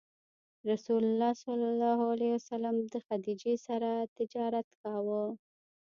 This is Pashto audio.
رسول الله ﷺ د خدیجې رض سره تجارت کاوه.